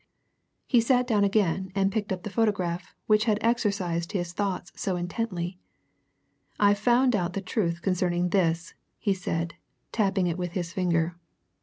He sat down again and picked up the photograph which had exercised his thoughts so intensely. "I've found out the truth concerning this," he said, tapping it with his finger.